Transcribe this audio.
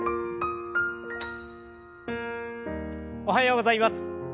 おはようございます。